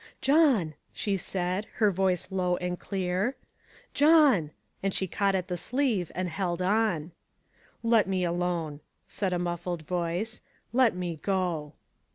" John," she said, her voice low and clear, " John," and she caught at the sleeve, and held on. " Let me alone," said a muffled voice ; "let me go."